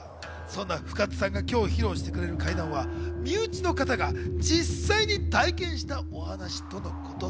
そんな深津さんが今日披露してくれる怪談は身内の方が実際に体験したお話とのこと。